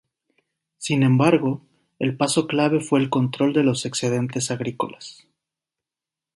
Sin embargo, el paso clave fue el control de los excedentes agrícolas.